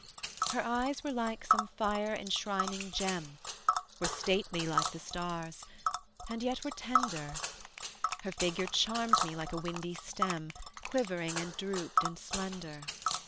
Her eyes were like some fire enshrining gem, Were stately like the stars, and yet were tender, Her figure charmed me like a windy stem Quivering and drooped and slender.